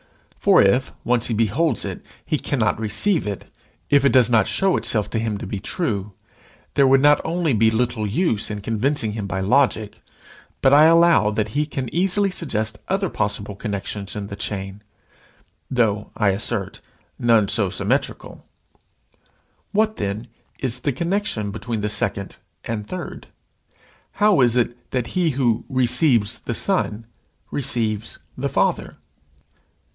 For if, once he beholds it, he cannot receive it, if it does not shew itself to him to be true, there would not only be little use in convincing him by logic, but I allow that he can easily suggest other possible connections in the chain, though, I assert, none so symmetrical. What, then, is the connection between the second and third? How is it that he who receives the Son receives the Father?